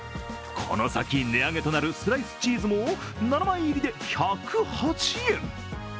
この先、値上げとなるスライスチーズも７枚入りで１０８円。